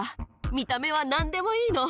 見た目はなんでもいいの。